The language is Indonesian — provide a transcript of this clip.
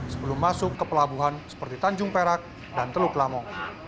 sebelum masuk ke pelabuhan seperti tanjung perak dan teluk lamong